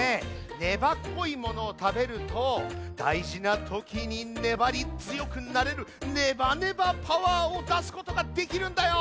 ねばっこいものをたべるとだいじなときにねばりづよくなれる「ねばねばパワー」をだすことができるんだよ。